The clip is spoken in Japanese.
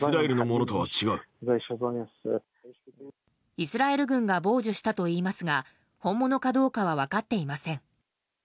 イスラエル軍が傍受したといいますが本物かどうかは分かっていません。